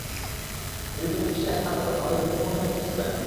যদি তুমি বেশি আশা না করো, তাহলে তুমি কখনোই হতাশ হবে না।